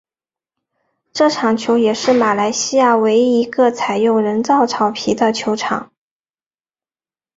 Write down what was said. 这球场也是马来西亚唯一一个采用人造草皮的球场。